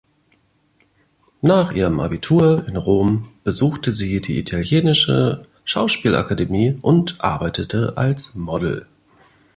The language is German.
Nach ihrem Abitur in Rom besuchte sie die italienische Schauspielakademie und arbeitete als Model.